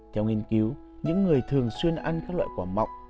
theo nghiên cứu những người thường xuyên ăn các loại quả mọng